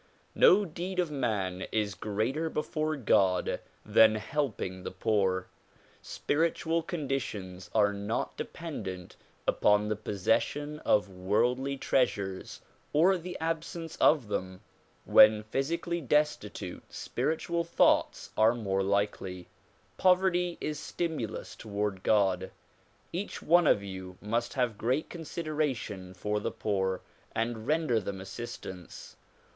No deed of man is greater before God than helping the poor. Spiritual conditions are not dependent upon the possession of worldly treas ures or the absence of them. When physically destitute, spiritual thoughts are more likely. Poverty is stimulus toward God. Each one of you must have great consideration for the poor and render them assistance.